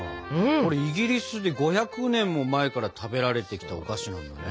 これイギリスで５００年も前から食べられてきたお菓子なんだね。